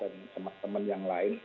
dan teman teman yang lain